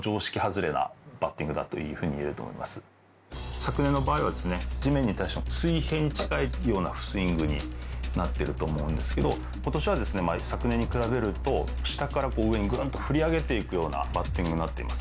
昨年の場合は地面に対して水平に近いようなスイングになってると思うんですけどことしは昨年に比べると下から上にぐんと振り上げていくようなバッティングになっています。